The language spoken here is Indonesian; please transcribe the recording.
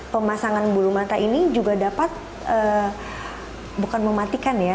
pemasangan bulu mata ini juga dapat bukan mematikan ya